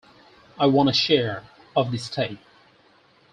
I want a share of the estate.